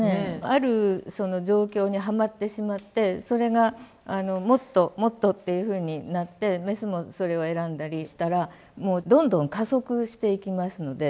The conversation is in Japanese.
ある状況にはまってしまってそれがもっともっとっていうふうになってメスもそれを選んだりしたらもうどんどん加速していきますので。